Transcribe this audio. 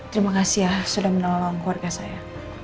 terima kasih ya sudah menolong keluarga saya